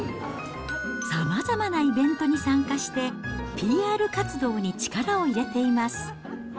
さまざまなイベントに参加して、ＰＲ活動に力を入れています。